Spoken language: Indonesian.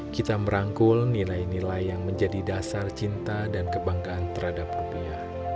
kita merangkul nilai nilai yang menjadi dasar cinta dan kebanggaan terhadap rupiah